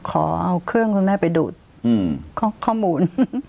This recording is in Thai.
ขอเอาเครื่องคุณแม่ไปดูดข้อมูล